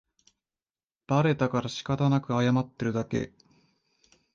バレたからしかたなく謝ってるだけ